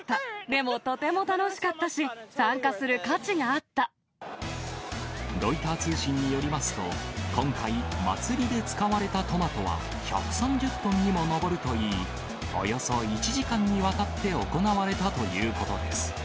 でも、とても楽しかったし、ロイター通信によりますと、今回、祭りで使われたトマトは１３０トンにも上るといい、およそ１時間にわたって行われたということです。